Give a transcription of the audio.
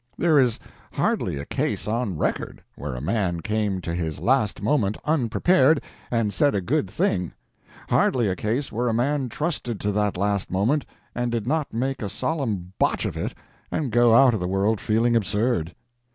There is hardly a case on record where a man came to his last moment unprepared and said a good thing hardly a case where a man trusted to that last moment and did not make a solemn botch of it and go out of the world feeling absurd.